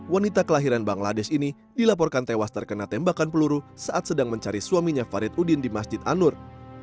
wanita kelahiran bangladesh ini dilaporkan tewas terkena tembakan peluru saat sedang mencari suaminya farid udin di masjid anur